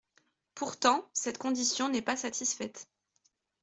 Pourtant, cette condition n’est pas satisfaite.